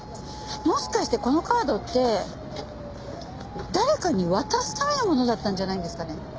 もしかしてこのカードって誰かに渡すためのものだったんじゃないんですかね？